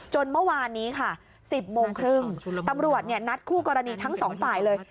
เมื่อวานนี้ค่ะ๑๐โมงครึ่งตำรวจนัดคู่กรณีทั้งสองฝ่ายเลย